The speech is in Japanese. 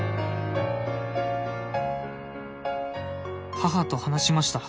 「母と話しました」